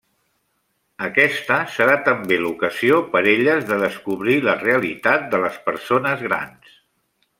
Aquest serà també l'ocasió per elles de descobrir la realitat de les persones grans.